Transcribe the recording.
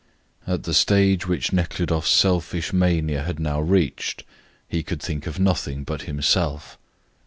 At the stage which Nekhludoff's selfish mania had now reached he could think of nothing but himself.